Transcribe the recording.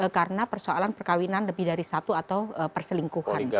karena persoalan perkawinan lebih dari satu atau perselingkuhan